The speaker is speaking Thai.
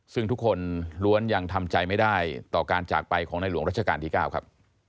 ซึ่งทุกคนล้วนยังทำใจไม่ได้ต่อการจากไปของในหลวงรัชกาลที่๙ครับ